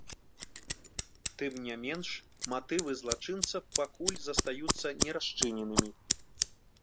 Тым не менш, матывы злачынца пакуль застаюцца не расчыненымі.